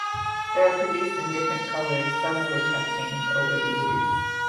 They are produced in different colors, some of which have changed over the years.